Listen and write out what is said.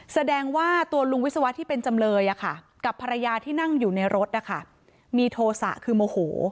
แสดงว่าตัวลุงวิศวะที่เป็นจำเลยกับภรรยาที่นั่งอยู่ในรถนะคะมีโทษะคือโมโห